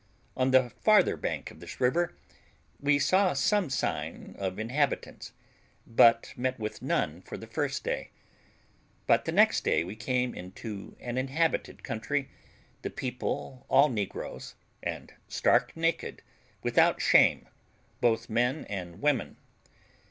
On the farther bank of this river we saw some sign of inhabitants, but met with none for the first day; but the next day we came into an inhabited country, the people all negroes, and stark naked, without shame, both men and women.